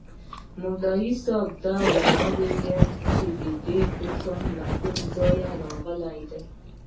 مولوي صاحب دا ونه ویل چي دا حکم له کومه ځایه راغلی دی.